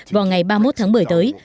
vào ngày ba mươi một tháng một mươi tới